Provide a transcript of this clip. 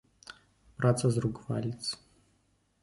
Праца з рук валіцца.